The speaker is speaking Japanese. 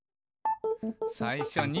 「さいしょに」